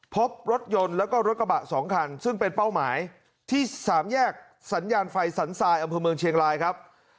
พบรถยนต์แล้วก็รถกระบะ๒คันซึ่งเป็นเป้าหมายที่สามแยกสัญญาณไฟสันทรายอำเภอเมืองเชียงรายครับ